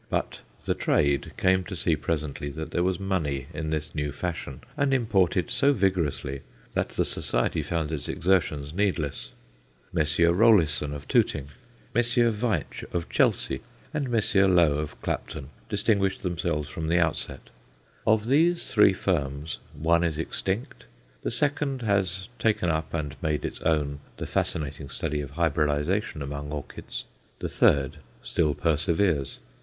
But "the Trade" came to see presently that there was money in this new fashion, and imported so vigorously that the Society found its exertions needless. Messrs. Rollisson of Tooting, Messrs. Veitch of Chelsea, and Messrs. Low of Clapton distinguished themselves from the outset. Of these three firms one is extinct; the second has taken up, and made its own, the fascinating study of hybridization among orchids; the third still perseveres.